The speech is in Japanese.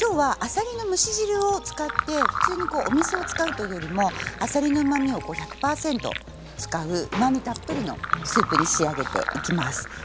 あさりの蒸し汁を使って普通のお水を使うよりもあさりのうまみを１００％を使ううまみたっぷりのスープに仕上げていきます。